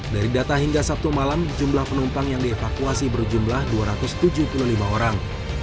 dari data hingga sabtu malam jumlah penumpang yang dievakuasi berjumlah dua ratus tujuh puluh lima orang